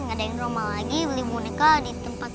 ngadain rumah lagi beli moneka di tempat